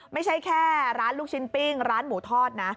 ไม่ใช่แค่ร้านลูกชิ้นปิ้งร้านหมูทอดนะ